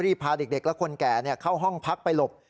พาเด็กและคนแก่เข้าห้องพักไปหลบ